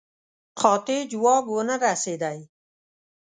قاطع جواب ونه رسېدی.